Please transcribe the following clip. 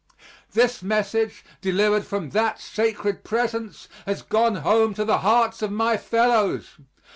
This message, delivered from that sacred presence, has gone home to the hearts of my fellows!